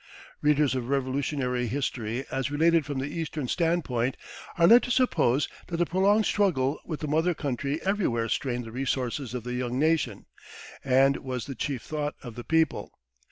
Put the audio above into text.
Readers of Revolutionary history as related from the Eastern standpoint are led to suppose that the prolonged struggle with the mother country everywhere strained the resources of the young nation, and was the chief thought of the people.